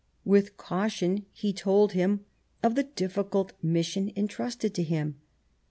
With caution, he told him of the difficult mission entrusted to him.